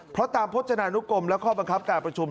เพราะตามพจนานุกรมและข้อบังคับการประชุม